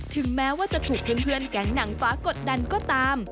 ถึงแม้ว่าจะถูกเพื่อนแก๊งหนังฟ้ากดดันก็ตาม